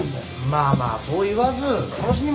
まあまあそう言わず楽しみましょうよ。